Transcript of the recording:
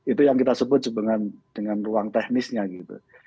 itu yang kita sebut dengan ruang teknisnya gitu